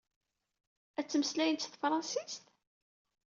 Ad ttmeslayent s tefṛansist?